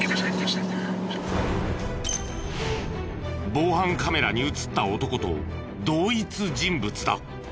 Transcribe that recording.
防犯カメラに映った男と同一人物だ。